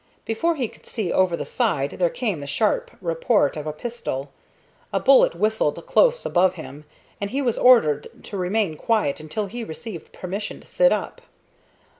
Before he could see over the side there came the sharp report of a pistol, a bullet whistled close above him, and he was ordered to remain quiet until he received permission to sit up.